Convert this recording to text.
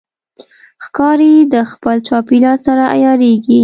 ښکاري د خپل چاپېریال سره عیارېږي.